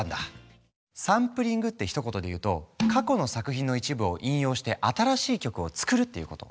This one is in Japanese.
サンプリングってひと言で言うと過去の作品の一部を引用して新しい曲を作るっていうこと。